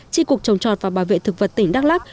tri cục trồng trọt và bảo vệ thực vật tỉnh đắk lắc